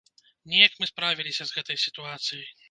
Неяк мы справіліся з гэтай сітуацыяй!